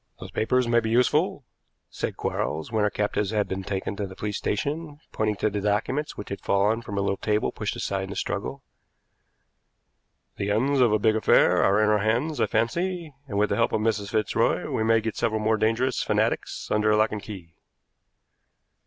"Those papers may be useful," said Quarles, when our captives had been taken to the police station, pointing to the documents which had fallen from a little table pushed aside in the struggle. "The ends of a big affair are in our hands, I fancy, and, with the help of Mrs. Fitzroy, we may get several more dangerous fanatics under lock and key."